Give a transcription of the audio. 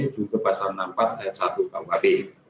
contoh pasal enam puluh empat s satu ke satu kuap